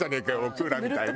クーラー」みたいな。